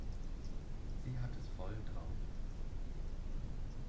Sie hat es voll drauf.